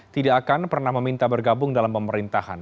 tidak akan pernah meminta bergabung dalam pemerintahan